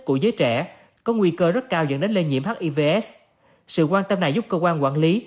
của giới trẻ có nguy cơ rất cao dẫn đến lây nhiễm hivs sự quan tâm này giúp cơ quan quản lý